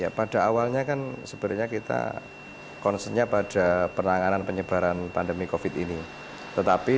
ya pada awalnya kan sebenarnya kita concernnya pada penanganan penyebaran pandemi covid ini tetapi